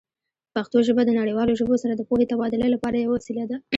پښتو ژبه د نړیوالو ژبو سره د پوهې تبادله لپاره یوه وسیله ده.